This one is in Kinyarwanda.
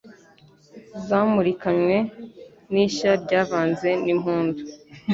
Zamurikanywe n' ishyaRyavanze n' impundu